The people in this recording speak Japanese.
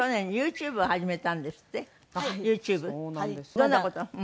どんな事？